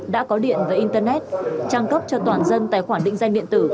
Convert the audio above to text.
đã có điện và internet trang cấp cho toàn dân tài khoản định danh điện tử